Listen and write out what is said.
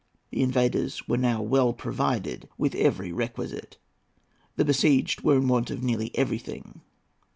The invaders were now well provided with every requisite. The besieged were in want of nearly everything.